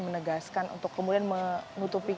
menegaskan untuk kemudian menutupi